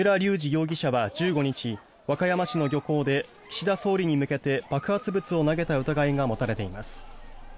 容疑者は１５日和歌山市の漁港で岸田総理に向けて爆発物を投げた疑いが持たれています。